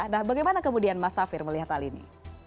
nah bagaimana kemudian mas safir melihat hal ini